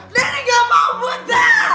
nenek gak mau buta